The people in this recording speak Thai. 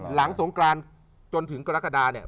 หลังสงกรานจนถึงกรกฎาเนี่ย